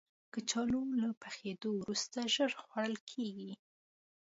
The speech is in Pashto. کچالو له پخېدو وروسته ژر خوړل کېږي